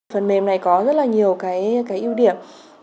phần mềm này có rất là nhiều cái ưu điểm